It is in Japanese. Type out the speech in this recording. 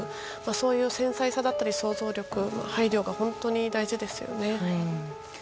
そういう繊細さだったり想像力、配慮が本当に大事ですよね。